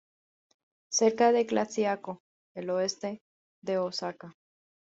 Cerca de Tlaxiaco, en el oeste de Oaxaca.